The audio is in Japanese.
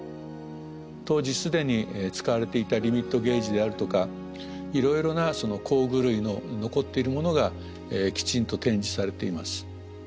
当時既に使われていたリミットゲージであるとかいろいろな工具類の残っているものがきちんと展示されています。